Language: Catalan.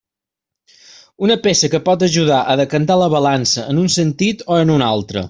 Una peça que pot ajudar a decantar la balança en un sentit o en un altre.